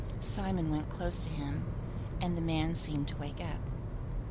Simon went close to him, and then the man seemed to wake up.